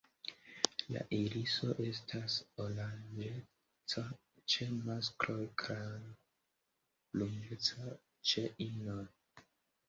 La iriso estas oranĝeca ĉe maskloj kaj bruneca ĉe inoj.